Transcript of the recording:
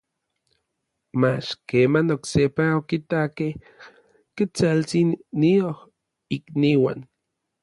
mach keman oksepa okitakej Ketsaltsin nion ikniuan.